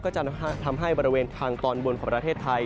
จะทำให้บริเวณทางตอนบนของประเทศไทย